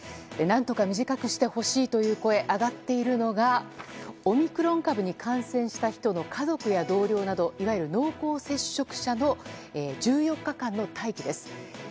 何とか短くしてほしいという声上がっているのがオミクロン株に感染した人の家族や同僚などいわゆる濃厚接触者の１４日間の待機です。